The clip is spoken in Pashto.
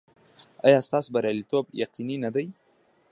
ایا ستاسو بریالیتوب یقیني نه دی؟